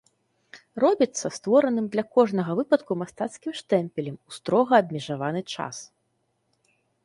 Робіцца створаным для кожнага выпадку мастацкім штэмпелем у строга абмежаваны час.